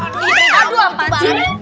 aduh apaan sih